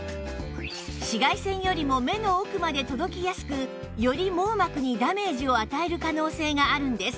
紫外線よりも目の奥まで届きやすくより網膜にダメージを与える可能性があるんです